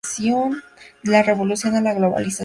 De la Revolución a la globalización.